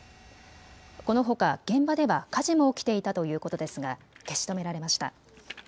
このほか現場では火事も起きていたということですが消し止められました。